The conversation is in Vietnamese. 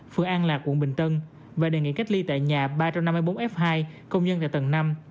phường an lạc quận bình tân và đề nghị cách ly tại nhà ba trăm năm mươi bốn f hai công nhân tại tầng năm